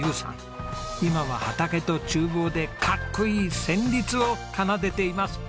今は畑と厨房でかっこいい旋律を奏でています。